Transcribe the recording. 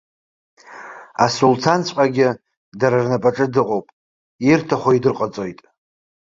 Асулҭанҵәҟьагьы дара рнапаҿы дыҟоуп, ирҭаху идырҟаҵоит.